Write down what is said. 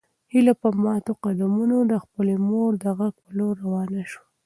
هیله په ماتو قدمونو د خپلې مور د غږ په لور روانه شوه.